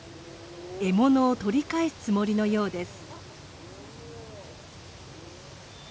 獲物を取り返すつもりのようです。